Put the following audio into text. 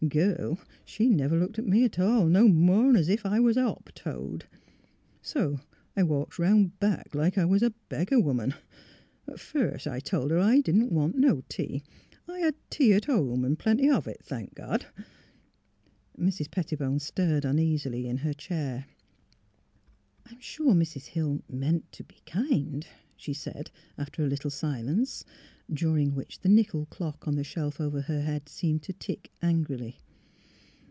The girl, she never looked at me 't all, no more 'n 's if I was a hop toad. So I walks 'round back, like I was a beggar woman — but first I tol' her I didn't want no tea ; I had m' tea 't home, an' plenty of it, thank God !'' Mrs. Pettibone stirred uneasily in her chair. ''I'm sure Mrs. Hill meant — to be kind, she said, after a little silence, during which the nickel clock on the shelf over her head seemed to tick angrily.